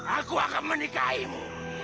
aku akan menikahimu